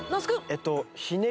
えっと。